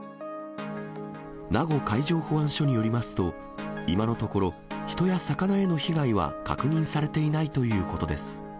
名護海上保安署によりますと、今のところ、人や魚への被害は確認されていないということです。